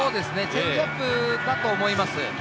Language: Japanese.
チェンジアップだと思います。